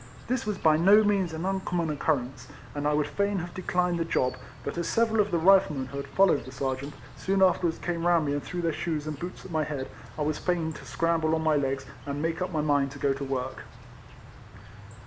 This was by no means an uncommon occurrence, and I RIFLEMAN HARRIS. bl would fain have declined the job, but as several of the Riflemen who had followed the Serjeant, soon afterwards came round me and threw their shoes and boots at my head, I was fain to scramble on my legs, and make up my mind to go to work.